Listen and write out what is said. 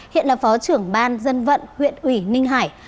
hiện là phó trưởng ban dân vận huyện ủy ninh hải